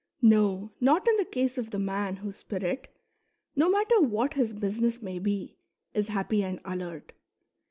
No, not in the case of the man whose spirit, no matter what his business may be, is happy and alert.